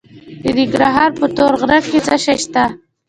د ننګرهار په تور غره کې څه شی شته؟